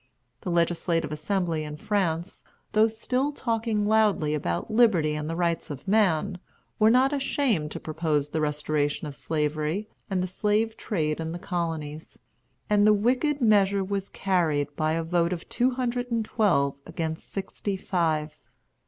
The Legislative Assembly in France, though still talking loudly about liberty and the rights of man, were not ashamed to propose the restoration of Slavery and the slave trade in the colonies; and the wicked measure was carried by a vote of two hundred and twelve against sixty five.